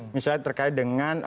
misalnya terkait dengan